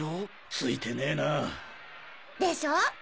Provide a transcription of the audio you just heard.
ついてねぇな。でしょ？